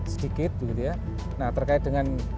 sedikit nah terkait dengan